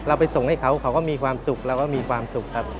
ไปส่งให้เขาเขาก็มีความสุขเราก็มีความสุขครับ